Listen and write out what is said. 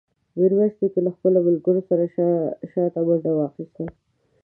میرویس نیکه له خپلو ملګرو سره شاته منډه واخیسته.